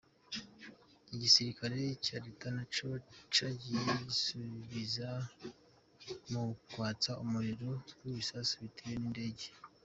Igisirikare ca leta naco caciye gisubiza mu kwatsa umuriro w'ibisasu bitegwa n'indege.